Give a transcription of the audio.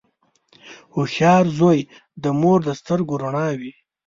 • هوښیار زوی د مور د سترګو رڼا وي.